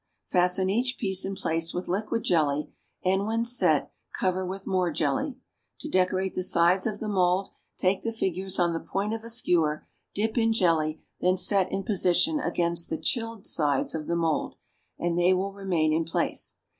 Fasten each piece in place with liquid jelly, and, when set, cover with more jelly. To decorate the sides of the mould, take the figures on the point of a skewer, dip in jelly, then set in position against the chilled sides of the mould, and they will remain in place.